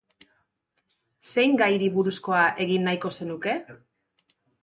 Zein gairi buruzkoa egin nahiko zenuke?